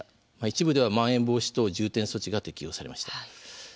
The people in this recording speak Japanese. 一部ではまん延防止等重点措置が適用されました。